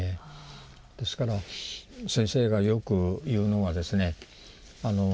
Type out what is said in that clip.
ですから先生がよく言うのはですね